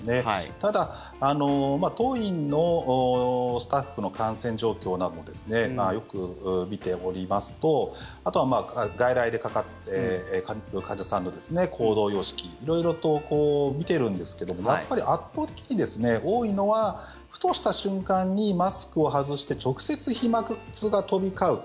ただ、当院のスタッフの感染状況などをよく見ておりますとあとは、外来でかかっている患者さんの行動様式色々と見てるんですけどもやっぱり圧倒的に多いのはふとした瞬間にマスクを外して直接飛まつが飛び交うと。